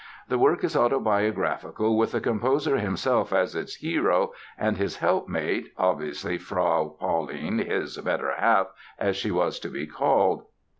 The work is autobiographical with the composer himself as its hero and his helpmate, (obviously Frau Pauline, his "better half" as she was to be called).